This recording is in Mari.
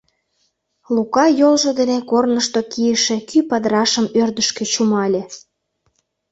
Лука йолжо дене корнышто кийыше кӱ падырашым ӧрдыжкӧ чумале.